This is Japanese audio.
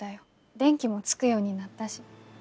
電気もつくようになったし。